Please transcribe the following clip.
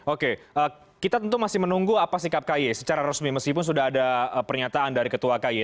oke kita tentu masih menunggu apa sikap ky secara resmi meskipun sudah ada pernyataan dari ketua kay